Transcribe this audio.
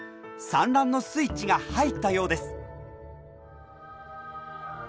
産卵のスイッチが入ったようです。